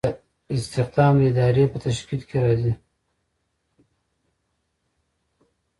استخدام د ادارې په تشکیل کې راځي.